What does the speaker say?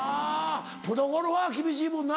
プロゴルファー厳しいもんな。